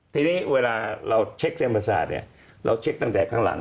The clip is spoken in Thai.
ทีนี้เวลาเราเช็คเส้นประสาทเนี่ยเราเช็คตั้งแต่ข้างหลัง